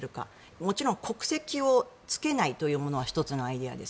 もちろん国籍をつけないというものは１つのアイデアです。